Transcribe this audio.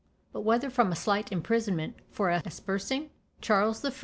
But whether from a slight imprisonment for aspersing Charles I.